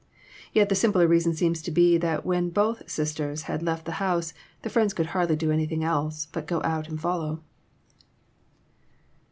Yet the simpler reason seems to be that when both sisters had left the house, the friends could hardly do anything else but go out and follow.